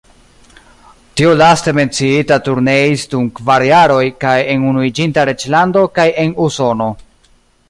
Tiu laste menciita turneis dum kvar jaroj, kaj en Unuiĝinta Reĝlando kaj en Usono.